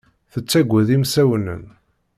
Tettaggad imsawnen.